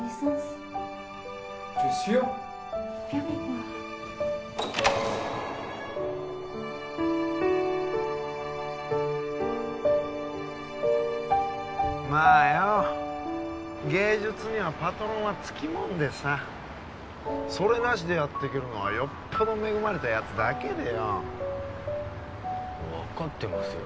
・ああ・まあよ芸術にはパトロンはつきもんでさそれなしでやってけるのはよっぽど恵まれたやつだけでよ分かってますよ